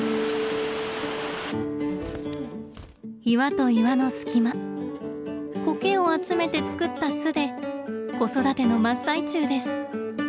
岩と岩の隙間コケを集めて作った巣で子育ての真っ最中です。